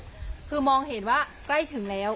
โอ้โหคือมองเห็นว่ากล้ายถึงแล้ว